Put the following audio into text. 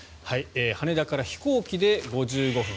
羽田から飛行機で５５分